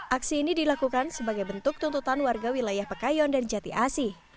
aksi ini dilakukan sebagai bentuk tuntutan warga wilayah pekayon dan jati asih